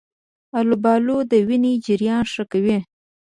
آلوبالو د وینې جریان ښه کوي.